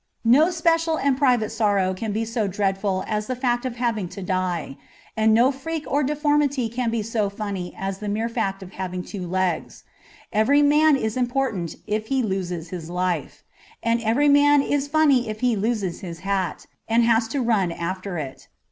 No special and private sorrow can be so dreadful as the fact of having to die. And no freak or deformity can be so funny as the mere fact of having two legs. Every man is important if he loses his life ; and every man is funny if he loses his hat, and has to run after it.